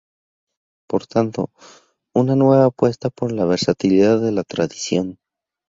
Por tanto, una nueva apuesta por la versatilidad de la tradición.